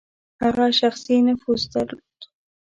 هغه شخصي نفوذ درلود.